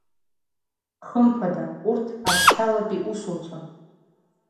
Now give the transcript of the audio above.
Хымԥада, урҭ асқьалатәи усуцәан.